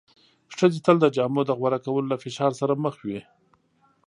ښځې تل د جامو د غوره کولو له فشار سره مخ وې.